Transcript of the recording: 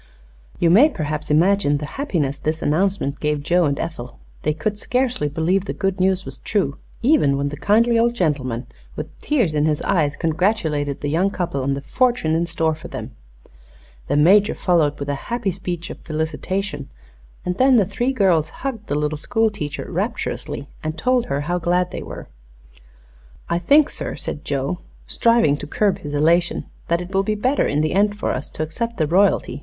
You may perhaps imagine the happiness this announcement gave Joe and Ethel. They could scarcely believe the good news was true, even when the kindly old gentleman, with tears in his eyes, congratulated the young couple on the fortune in store for them. The Major followed with a happy speech of felicitation, and then the three girls hugged the little school teacher rapturously and told her how glad they were. "I think, sir," said Joe, striving to curb his elation, "that it will be better in the end for us to accept the royalty.